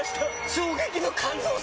衝撃の感動作！